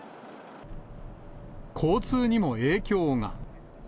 交通にも影響が。